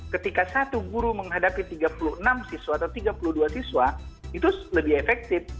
ketika satu guru menghadapi tiga puluh enam siswa atau tiga puluh dua siswa itu lebih efektif